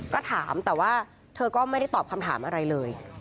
ก็ถามแต่ว่าเธอก็ไม่ได้ตอบคำถามอะไรเลย